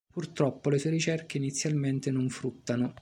Purtroppo le sue ricerche inizialmente non fruttano.